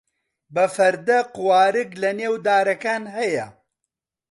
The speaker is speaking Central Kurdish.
بە فەردە قوارگ لەنێو دارەکان هەیە.